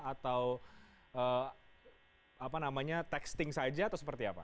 atau testing saja atau seperti apa